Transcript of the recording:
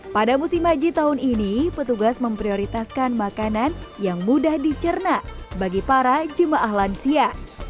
pada musim haji tahun ini petugas memprioritaskan makanan yang mudah dicerna bagi para jemaah lansia